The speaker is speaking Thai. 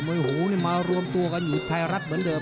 หูมารวมตัวกันอยู่ไทยรัฐเหมือนเดิม